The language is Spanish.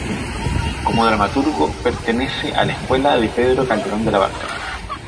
Como dramaturgo pertenece a la escuela de Pedro Calderón de la Barca.